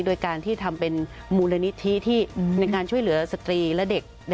โดยการที่ทำเป็นมูลนิธิที่ในการช่วยเหลือสตรีและเด็ก